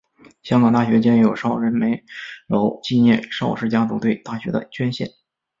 香港大学建有邵仁枚楼纪念邵氏家族对大学的捐献。